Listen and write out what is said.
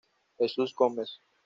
Jesús Gómez.